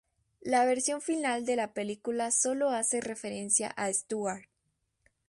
La versión final de la película sólo hace referencia a Stuart.